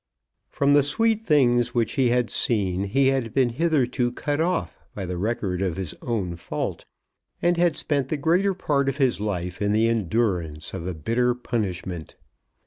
From the sweet things which he had seen he had been hitherto cut off by the record of his own fault, and had spent the greater part of his life in the endurance of a bitter punishment.